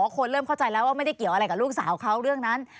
คนเริ่มเข้าใจแล้วว่าไม่ได้เกี่ยวอะไรกับลูกสาวเขาเรื่องนั้น